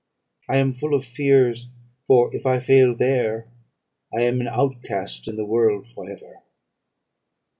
I am full of fears; for if I fail there, I am an outcast in the world for ever.'